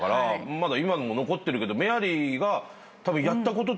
まだ今でも残ってるけどメアリーがやったこと。